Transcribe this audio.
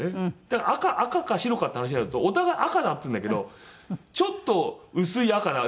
だから赤か白かって話になるとお互い赤だって言うんだけどちょっと薄い赤だ